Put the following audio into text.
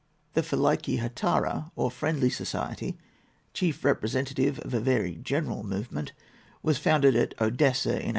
The Philiké Hetaira, or Friendly Society, chief representative of a very general movement, was founded at Odessa in 1814.